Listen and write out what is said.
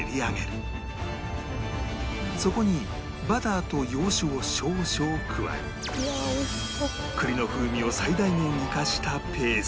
そこにバターと洋酒を少々加え栗の風味を最大限生かしたペーストに